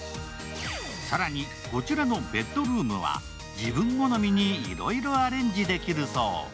更に、こちらのベッドルームは自分好みにいろいろアレンジできるそう。